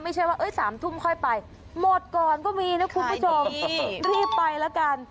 ไม่ใช่ว่า๓ทุ่มค่อยไปหมดก่อนก็มีนะคุณผู้ชมรีบไปแล้วกัน